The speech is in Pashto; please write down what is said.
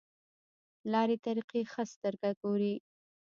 لارې طریقې ښه سترګه ګوري.